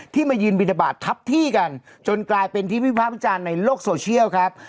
มายืนบินทบาททับที่กันจนกลายเป็นที่วิภาควิจารณ์ในโลกโซเชียลครับ